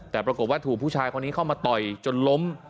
แต่ปรากฏว่าถูกผู้ชายคนนี้เข้ามาต่อยจนล้ม